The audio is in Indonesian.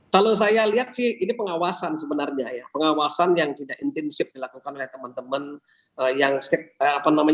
kalau saya lihat sih ini pengawasan sebenarnya ya pengawasan yang tidak intensif dilakukan oleh teman teman yang apa namanya